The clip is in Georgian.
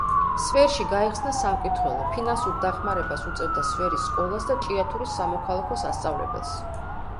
სვერში გაიხსნა სამკითხველო, ფინანსურ დახმარებას უწევდა სვერის სკოლას და ჭიათურის სამოქალაქო სასწავლებელს.